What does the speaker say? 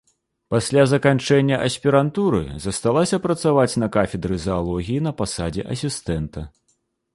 Пасля заканчэння аспірантуры засталася працаваць на кафедры заалогіі на пасадзе асістэнта.